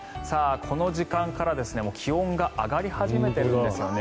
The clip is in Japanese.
この時間から気温が上がり始めてるんですよね。